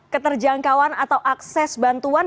keterjangkauan atau akses bantuan